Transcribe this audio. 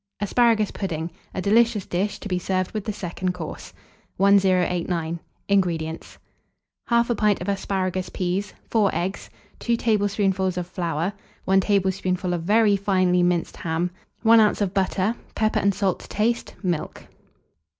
ASPARAGUS PUDDING. (A delicious Dish, to be served with the Second Course.) 1089. INGREDIENTS. 1/2 pint of asparagus peas, 4 eggs, 2 tablespoonfuls of flour, 1 tablespoonful of very finely minced ham, 1 oz. of butter, pepper and salt to taste, milk.